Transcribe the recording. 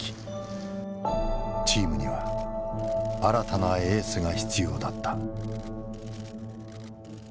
チームには新たなエースが必要だった。